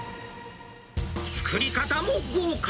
作り方も豪快。